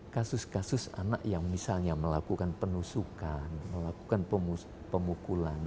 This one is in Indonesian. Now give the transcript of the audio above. kasus kasus anak yang misalnya melakukan penusukan melakukan pemukulan